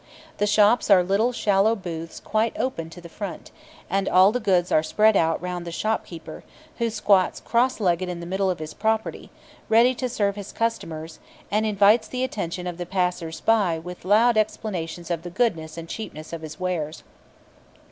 The shops are little shallow booths quite open to the front; and all the goods are spread out round the shopkeeper, who squats cross legged in the middle of his property, ready to serve his customers, and invites the attention of the passers by by loud explanations of the goodness and cheapness of his wares.